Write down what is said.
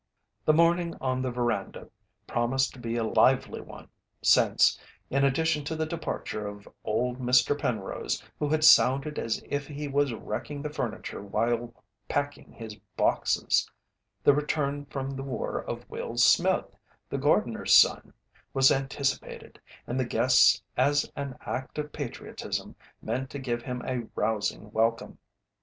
The morning on the veranda promised to be a lively one, since, in addition to the departure of old Mr. Penrose, who had sounded as if he was wrecking the furniture while packing his boxes, the return from the war of Will Smith, the gardener's son, was anticipated, and the guests as an act of patriotism meant to give him a rousing welcome.